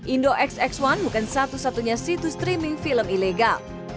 indo xx satu bukan satu satunya situs streaming film ilegal